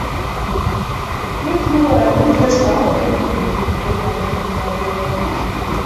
Кеч уло район гыч калык погыныжо! — чолган вашешта Зоя.